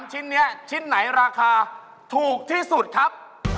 ชิ้นนี้ชิ้นไหนราคาถูกที่สุดครับ